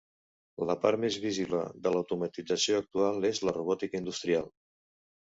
La part més visible de l'automatització actual és la robòtica industrial.